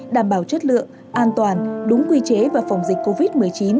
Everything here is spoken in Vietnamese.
đảm bảo chất lượng an toàn đúng quy chế và phòng dịch covid một mươi chín